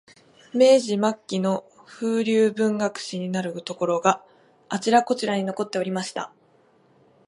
明治末期の風流文学史になるところが、あちらこちらに残っておりました